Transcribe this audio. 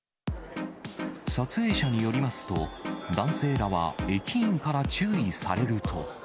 撮影者によりますと、男性らは駅員から注意されると。